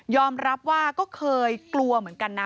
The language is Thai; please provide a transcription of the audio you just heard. รับว่าก็เคยกลัวเหมือนกันนะ